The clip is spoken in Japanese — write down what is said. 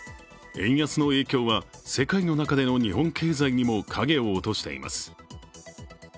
円安の影響は世界の中での日本経済にも影を落としています。